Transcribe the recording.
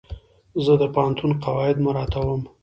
زه د پوهنتون قواعد مراعتوم.